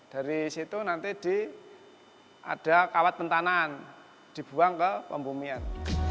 dari situ nanti ada kawat pentanaan dibuang ke pembumian